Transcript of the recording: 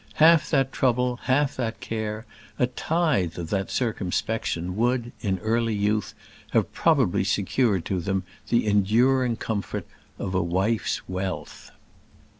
Half that trouble, half that care, a tithe of that circumspection would, in early youth, have probably secured to them the enduring comfort of a wife's wealth.